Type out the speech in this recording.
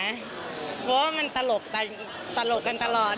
เพราะว่ามันตลกกันตลอด